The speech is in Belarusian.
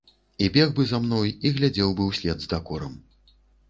І бег бы за мной, і глядзеў бы ўслед з дакорам.